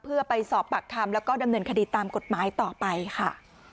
เพื่อไปสอบปากคำแล้วก็ดำเนินคดีตามกฎหมายต่อไปค่ะ